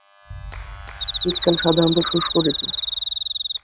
শীতকাল সাধারণত শুষ্ক ঋতু।